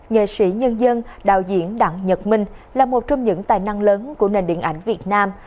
nghệ sĩ nhân dân đạo diễn đặng nhật minh là một trong những tài năng lớn của nền điện ảnh việt nam